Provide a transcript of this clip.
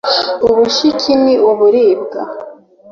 ubushiki ni uburibwa